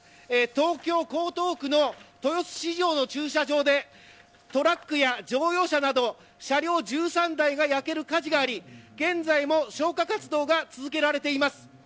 東京・江東区の豊洲市場の駐車場でトラックや乗用車など車両１３台が焼ける火事があり現在も消火活動が続けられています。